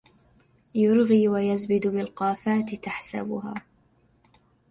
يرغي ويزبد بالقافات تحسبها